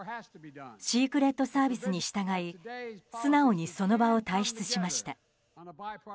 シークレットサービスに従い素直にその場を退出しました。